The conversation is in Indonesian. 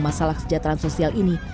masalah kesejahteraan sosial ini